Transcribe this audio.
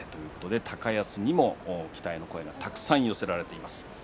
高安にも期待の声がたくさん寄せられています。